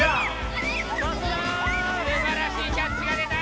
すばらしいキャッチが出た！